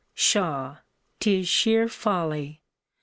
Pshaw! 'Tis sheer folly.